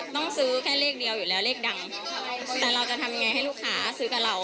ต้องซื้อแค่เลขเดียวอยู่แล้วเลขดังแต่เราจะทำยังไงให้ลูกค้าซื้อกับเรา